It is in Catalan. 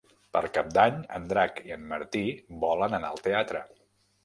Per Cap d'Any en Drac i en Martí volen anar al teatre.